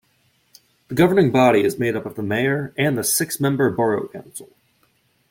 The governing body is made up of the mayor and the six-member Borough Council.